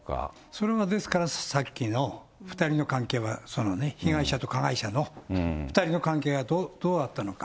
それはですから、さっきの２人の関係は、そのね、被害者と加害者の２人の関係がどうあったのか。